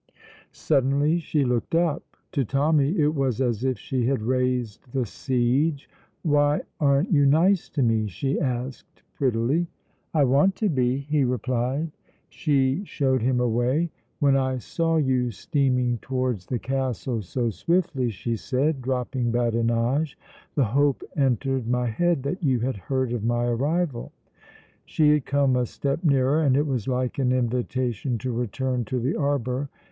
Suddenly she looked up. To Tommy it was as if she had raised the siege. "Why aren't you nice to me?" she asked prettily. "I want to be," he replied. She showed him a way. "When I saw you steaming towards the castle so swiftly," she said, dropping badinage, "the hope entered my head that you had heard of my arrival." She had come a step nearer, and it was like an invitation to return to the arbour.